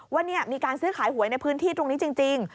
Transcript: ว่ามีการซื้อขายหวยในพื้นที่ตรงนี้จริง